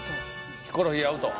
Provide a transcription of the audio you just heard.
ヒコロヒーアウト。